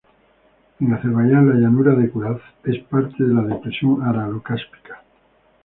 En Azerbayán, la llanura de Kur-Araz es parte de la depresión aralo-cáspica.